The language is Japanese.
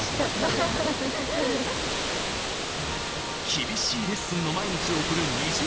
厳しいレッスンの毎日を送るＮｉｚｉＵ。